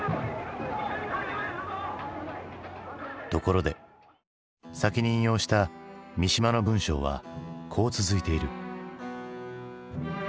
ところで先に引用した三島の文章はこう続いている。